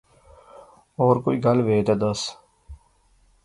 ہور کوئی گل وے دے دس